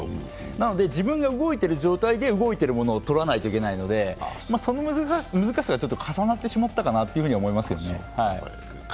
なので自分で動いてる状態で動いているものをとらないといけないのでその難しさが重なってしまったかなと思いますけどね。